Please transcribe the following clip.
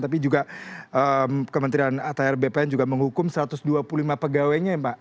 tapi juga kementerian atr bpn juga menghukum satu ratus dua puluh lima pegawainya ya pak